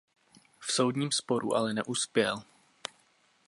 V soudním sporu ale neuspěl.